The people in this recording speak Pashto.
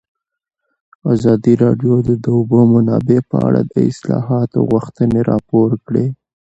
ازادي راډیو د د اوبو منابع په اړه د اصلاحاتو غوښتنې راپور کړې.